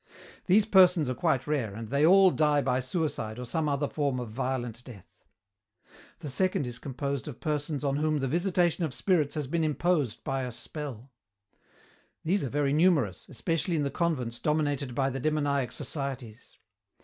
These persons are quite rare and they all die by suicide or some other form of violent death. The second is composed of persons on whom the visitation of spirits has been imposed by a spell. These are very numerous, especially in the convents dominated by the demoniac societies.